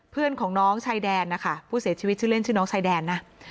เพื่อนของน้องชายแดนนะคะผู้เสียชีวิตชื่อเล่นชื่อน้องชายแดนนะ